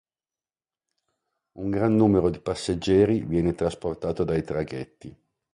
Un gran numero di passeggeri viene trasportato dai traghetti.